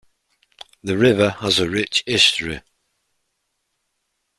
The river has a rich history.